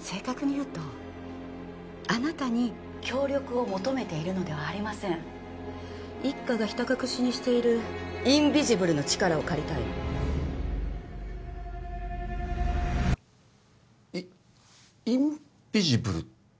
正確に言うとあなたに協力を求めているのではありません一課がひた隠しにしているインビジブルの力を借りたいのイッインビジブル？